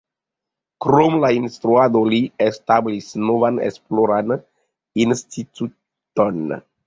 Krom la instruado, li establis novan esploran instituton.